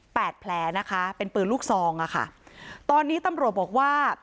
แผลนะคะเป็นปืนลูกซองอ่ะค่ะตอนนี้ตำรวจบอกว่า